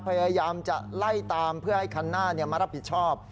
พยายามจะไล่ตามเพื่อให้คันหน้ามารับผิดชอบ